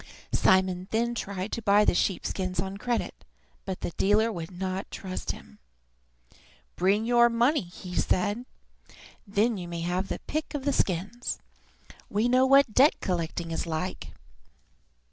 Simon then tried to buy the sheep skins on credit, but the dealer would not trust him. "Bring your money," said he, "then you may have your pick of the skins. We know what debt collecting is like."